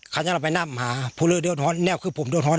คันนี้เราไปนำหาภูเรือเดินหอนแนวคือผมเดินท้อน